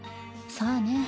さあね。